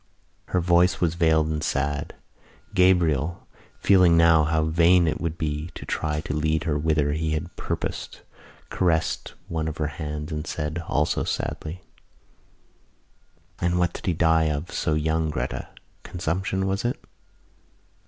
Her voice was veiled and sad. Gabriel, feeling now how vain it would be to try to lead her whither he had purposed, caressed one of her hands and said, also sadly: "And what did he die of so young, Gretta? Consumption, was it?"